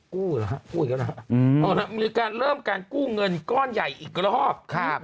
กู้หรอครับมีการเริ่มการกู้เงินก้อนใหญ่อีกรอบ